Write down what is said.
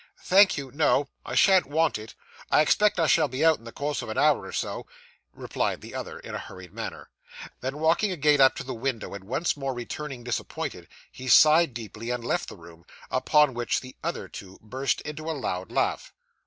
'Thank you, no, I shan't want it; I expect I shall be out, in the course of an hour or so,' replied the other in a hurried manner. Then, walking again up to the window, and once more returning disappointed, he sighed deeply, and left the room; upon which the other two burst into a loud laugh.